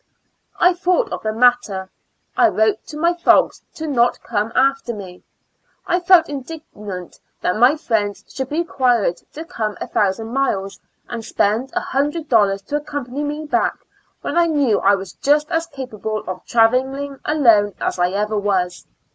^^ I thought of the mat ter. I wrote to my folks to not come after me, I felt indignant that my friends should be required to come a thousand miles and spend a hundred dollars to accompany me back, when I knew I was just as capa ble of traveling alone as I ever was.